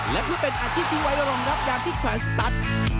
และเพื่อเป็นอาชีพที่ไว้รองรับยามที่แขวนสตัส